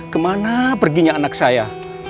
kemana perginya anak saya